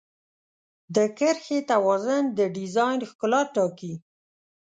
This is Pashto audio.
د کرښې توازن د ډیزاین ښکلا ټاکي.